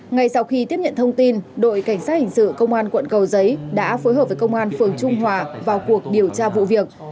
ngay sau khi tiếp nhận thông tin đội cảnh sát hình sự công an quận cầu giấy đã phối hợp với công an phường trung hòa vào cuộc điều tra vụ việc